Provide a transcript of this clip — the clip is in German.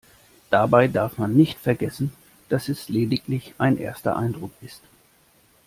Dabei darf man nicht vergessen, dass es lediglich ein erster Eindruck ist.